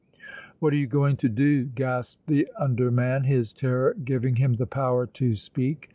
"What are you going to do?" gasped the under man, his terror giving him the power to speak.